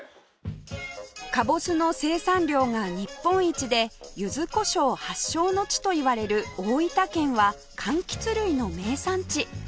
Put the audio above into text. カボスの生産量が日本一で柚子胡椒発祥の地といわれる大分県は柑橘類の名産地